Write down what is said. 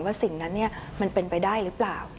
ว่าสิ่งนั้นเนี่ยมันเป็นไปได้หรือเปล่า